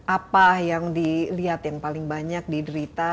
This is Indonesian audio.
apa yang dilihat yang paling banyak diderita